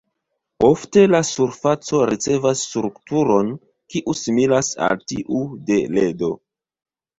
Ofte la surfaco ricevas strukturon kiu similas al tiu de ledo.